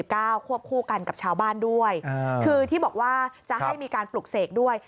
ควบคู่กันกับชาวบ้านด้วยคือที่บอกว่าจะให้มีการปลุกเสกด้วย